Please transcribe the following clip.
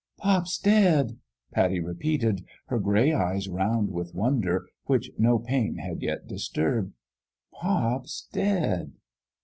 " Pop's dead 1 " Pattie repeated, her gray eyes round with wonder, which no pain had yet dis turbed. " Pop's dead